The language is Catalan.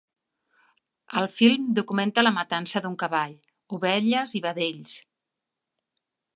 El film documenta la matança d'un cavall, ovelles i vedells.